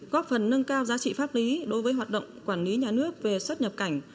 góp phần nâng cao giá trị pháp lý đối với hoạt động quản lý nhà nước về xuất nhập cảnh